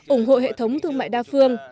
ủng hộ hệ thống thương mại đa phương